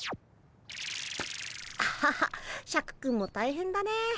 ハハシャクくんも大変だね。